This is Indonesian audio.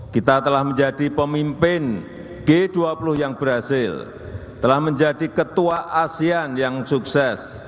kita telah menjadi pemimpin g dua puluh yang berhasil telah menjadi ketua asean yang sukses